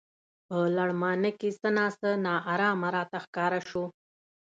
په لړمانه کې څه نا څه نا ارامه راته ښکاره شو.